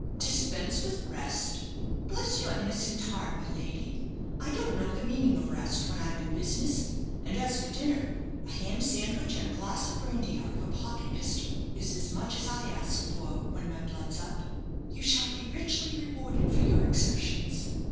"Dispense with rest? Bless your innocent heart, my lady, I don't know the meaning of rest when I'm in business; and as for dinner, a ham sandwich and a glass of brandy out of a pocket pistol is as much as I ask for when my blood's up." "You shall be richly rewarded for your exertions."